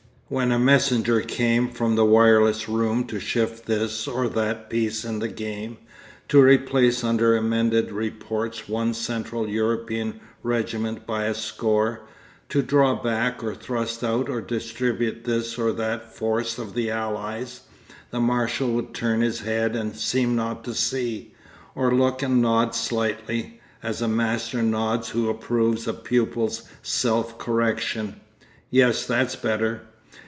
When a messenger came from the wireless room to shift this or that piece in the game, to replace under amended reports one Central European regiment by a score, to draw back or thrust out or distribute this or that force of the Allies, the Marshal would turn his head and seem not to see, or look and nod slightly, as a master nods who approves a pupil's self correction. 'Yes, that's better.